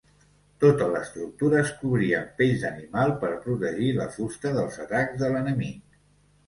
Tota l'estructura es cobrí amb pells d'animal per protegir la fusta dels atacs de l'enemic.